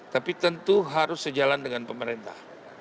tapi tentu harus sejalan dengan pemerintah